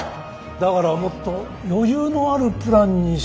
だからもっと余裕のあるプランにしろと言ったんだ。